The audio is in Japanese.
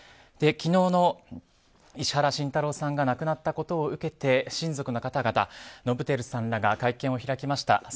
昨日の石原慎太郎さんが亡くなったことを受けて親族の方々、伸晃さんらが会見を開きました。